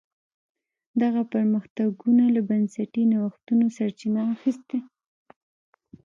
دغه پرمختګونو له بنسټي نوښتونو سرچینه اخیسته.